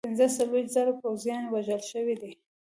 پنځه څلوېښت زره پوځیان وژل شوي دي.